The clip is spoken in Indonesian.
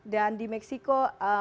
dan di meksiko